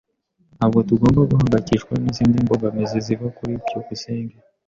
Ntabwo tugomba guhangayikishwa nizindi mbogamizi ziva kuri byukusenge.